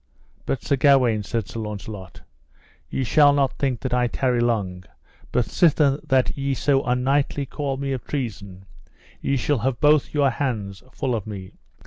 But Sir Gawaine, said Sir Launcelot, ye shall not think that I tarry long, but sithen that ye so unknightly call me of treason, ye shall have both your hands full of me.